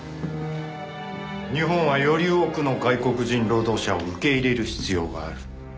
日本はより多くの外国人労働者を受け入れる必要がある。